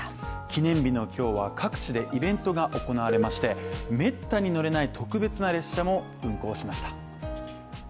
記念日の今日は各地でイベントが行われましてめったに乗れない特別な列車も運行しました。